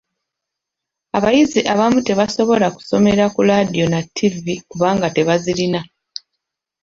Abayizi abamu tebasobola kusomera ku ladiyo na ttivvi kubanga tebazirina.